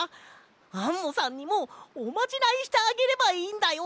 アンモさんにもおまじないしてあげればいいんだよ！